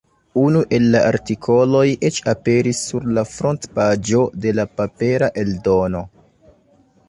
Unu el la artikoloj eĉ aperis sur la frontpaĝo de la papera eldono.